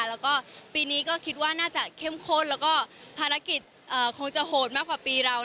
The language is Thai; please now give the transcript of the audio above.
แล้วก็ปีนี้ก็คิดว่าน่าจะเข้มข้นแล้วก็ภารกิจคงจะโหดมากกว่าปีเรา